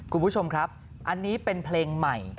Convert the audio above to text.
คุณผู้ชมครับอันนี้เป็นเพลงใหม่